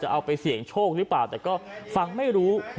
อืมที่นี่ดีไหมที่นี่ดีไหม